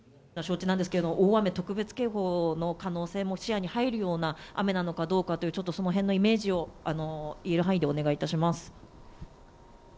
大雨特別警報の可能性も視野に入るような雨なのかどうかという、ちょっとそのへんのイメージを、言える範囲でお願いいたします。